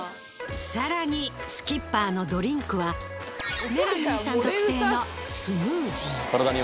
さらにスキッパーのドリンクはメラニーさん特製のスムージー。